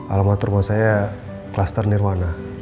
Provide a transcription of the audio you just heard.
alamat rumah saya kluster nirwana